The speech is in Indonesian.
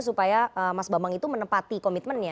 supaya mas bambang itu menempati komitmennya